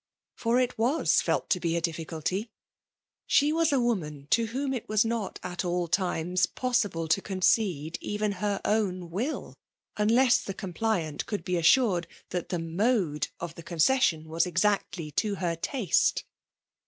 For it was felt to be a difficalty !— She was a woman to whom it was not at all times pos nble to concede even her own will ; unless the compUant could be assured that the mode cf the concesnon was exactly to her taste.